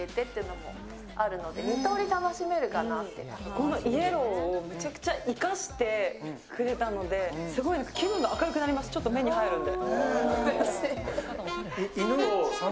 このイエローをめちゃくちゃ生かしてくれたのですごい気分が明るくなります、ちょっと目に入るので。